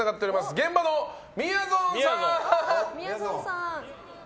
現場のみやぞんさん！